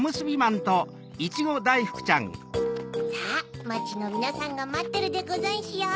さぁまちのみなさんがまってるでござんしゅよ。